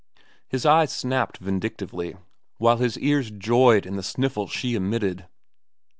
His eyes snapped vindictively, while his ears joyed in the sniffles she emitted.